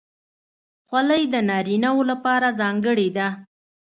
خولۍ د نارینه وو لپاره ځانګړې ده.